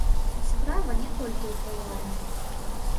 І справа не толькі ў кавярнях.